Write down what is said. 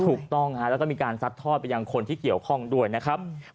ถูกต้องแล้วก็มีการซัดทอดไปยังคนที่เกี่ยวข้องด้วยนะครับ